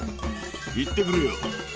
行ってくるよ。